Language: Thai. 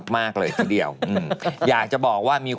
ไม่ใช่